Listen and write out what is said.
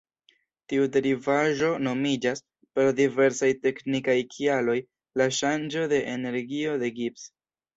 Tiu derivaĵo nomiĝas, pro diversaj teknikaj kialoj, la ŝanĝo de energio de Gibbs.